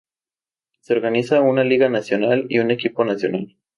Se organizó una liga nacional y un equipo nacional.